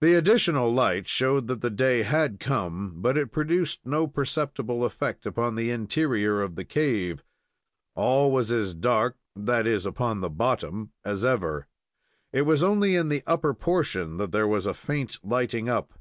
The additional light showed that the day had come, but it produced no perceptible effect upon the interior of the cave. All was as dark that is, upon the bottom as ever. It was only in the upper portion that there was a faint lighting up.